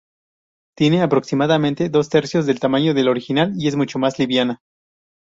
Tiene aproximadamente dos tercios del tamaño del original y es mucho más liviana.